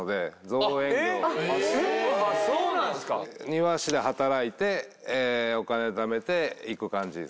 庭師で働いてお金ためて行く感じですね。